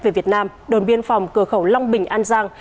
về việt nam đồn biên phòng cửa khẩu long bình an giang